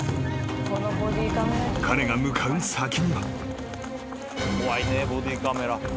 ［彼が向かう先には］